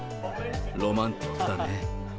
ロマンチックだね。